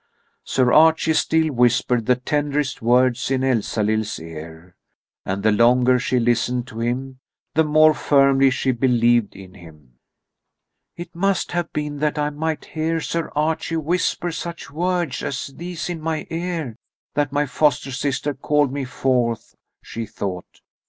Sir Archie still whispered the tenderest words in Elsalill's ear. And the longer she listened to him, the more firmly she believed in him. "It must have been that I might hear Sir Archie whisper such words as these in my ear that my foster sister called me forth," she thought.